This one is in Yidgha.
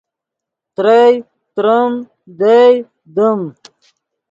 ترئے، تریم، دئے، دیم،